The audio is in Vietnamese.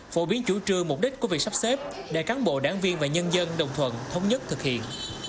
phổ biến chủ trương mục đích của việc sắp xếp để cán bộ đảng viên và nhân dân đồng thuận thống nhất thực hiện